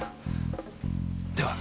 では。